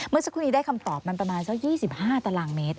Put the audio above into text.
เมื่อสักครู่นี้ได้คำตอบมันประมาณสัก๒๕ตารางเมตร